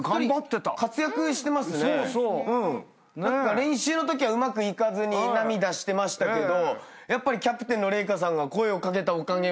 練習のときはうまくいかずに涙してましたけどやっぱりキャプテンの麗華さんが声を掛けたおかげもあってか。